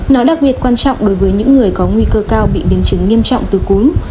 nó đặc biệt quan trọng đối với những người có nguy cơ cao bị biến chứng nghiêm trọng từ cúm